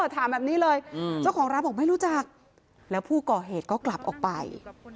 ถามแบบนี้เลยเจ้าของร้านบอกไม่รู้จักแล้วผู้ก่อเหตุก็กลับออกไป